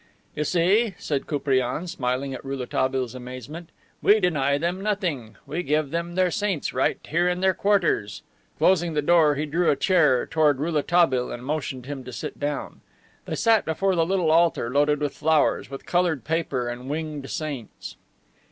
"You see," said Koupriane, smiling at Rouletabille's amazement, "we deny them nothing. We give them their saints right here in their quarters." Closing the door, he drew a chair toward Rouletabille and motioned him to sit down. They sat before the little altar loaded with flowers, with colored paper and winged saints.